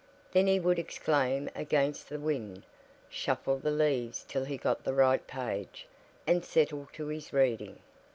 Then he would exclaim against the wind, shuffle the leaves till he got the right page, and settle to his reading.